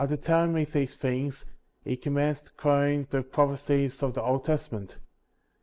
After telling me these things, he commenced quoting the propheeies of the Old Testament.'